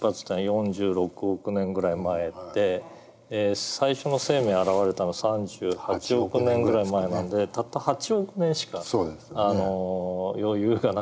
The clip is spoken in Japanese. ４６億年ぐらい前で最初の生命現れたの３８億年ぐらい前なのでたった８億年しか余裕がなかった。